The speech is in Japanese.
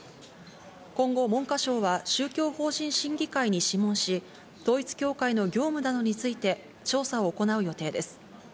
今後文科省は宗教法人審議会に諮問し、統一教会の業務などについて調査を行う予定です。